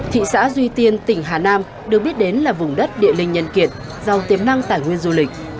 thị xã duy tiên tỉnh hà nam được biết đến là vùng đất địa linh nhân kiện giàu tiềm năng tài nguyên du lịch